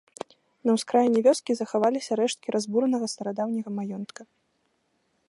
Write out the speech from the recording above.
На ўскраіне вёскі захаваліся рэшткі разбуранага старадаўняга маёнтка.